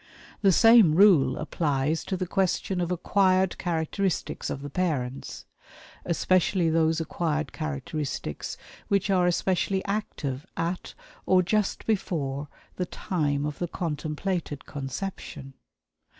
The same rule applies to the question of "acquired characteristics" of the parents especially those acquired characteristics which are especially active at or just before the time of the contemplated conception.